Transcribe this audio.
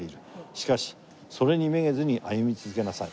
「しかしそれにめげずに歩み続けなさい」